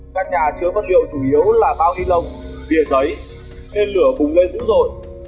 căn nhà chứa vật liệu chủ yếu là bao ni lông bìa giấy nên lửa bùng lên dữ dội